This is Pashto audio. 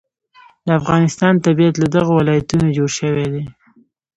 د افغانستان طبیعت له دغو ولایتونو جوړ شوی دی.